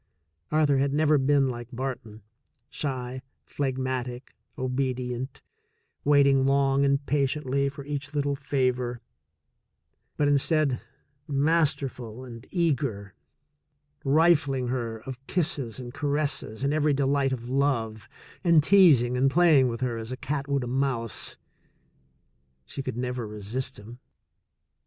Arthur had never been like Barton, shy, phlegmatic, obedient, waiting long and patiently for each little THE SECOND CHOICE 145 favor, but, instead, masterful and eager, rifling her of kisses and caresses and every delight of love, and teasing and playing with her as a cat would a mouse. She could never resist him.